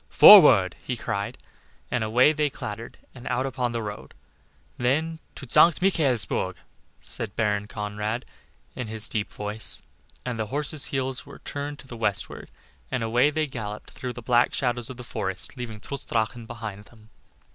"Forward!" he cried, and away they clattered and out upon the road. Then "To St. Michaelsburg," said Baron Conrad, in his deep voice, and the horses' heads were turned to the westward, and away they galloped through the black shadows of the forest, leaving Trutz Drachen behind them.